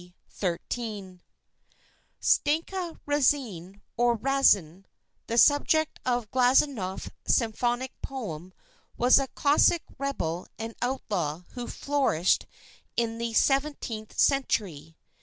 13 Stenka Râzine (or Râzin), the subject of Glazounoff's symphonic poem, was a Cossack rebel and outlaw who flourished in the seventeenth century.